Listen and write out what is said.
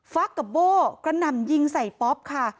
ฟักกับโบ้กระหน่ำยิงใส่ป๊อปค่ะ